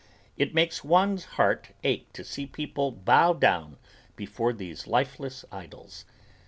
It makes one's heart ache to see people bow down before these lifeless idols.